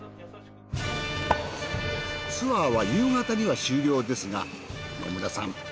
ツアーは夕方には終了ですが野村さん